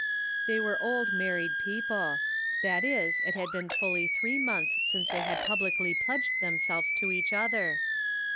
They were old married people ; that is, it had been fully three months since they had publicly pledged themselves to each other